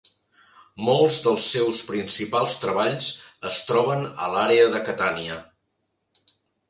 Molts dels seus principals treballs es troben a l'àrea de Catània.